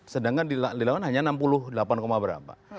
sedangkan dilawan hanya enam puluh delapan berapa